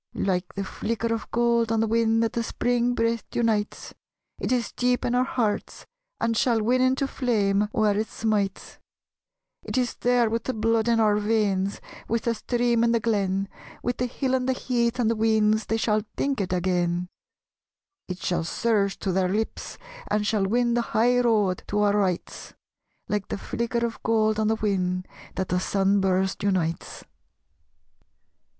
Like the flicker of gold on the whin That the Spring breath unites, It is deep in our hearts, and shall win Into flame where it smites: It is there with the blood in our veins, With the stream in the glen, With the hill and the heath and the weans They shall think it again; It shall surge to their lips and shall win The high road to our rights Like the flicker of gold on the whin That the sun burst unites.